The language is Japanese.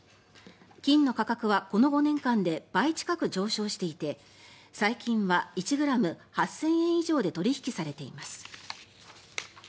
金の価格はこの５年間で倍近く上昇していて最近は１ｇ８０００円以上で取引されています。